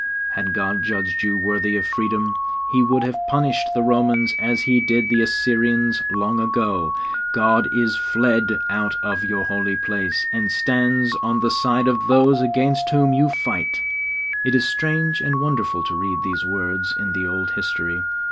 Had God judged you worthy of freedom, He would have punished the Romans as He did the Assyrians long ago. God is fled out of your holy place, and stands on the side of those against whom you fight!' It is strange and wonderful to read these words in the old history.